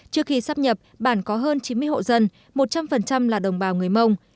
trước khi sắp nhập bản có hơn chín mươi hộ dân một trăm linh là đồng bào người mông